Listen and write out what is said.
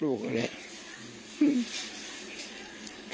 มีเรื่องอะไรมาคุยกันรับได้ทุกอย่าง